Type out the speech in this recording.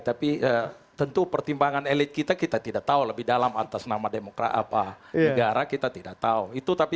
tapi tentu pertimbangan elit kita kita tidak tahu lebih dalam atas nama demokrat apa negara kita tidak tahu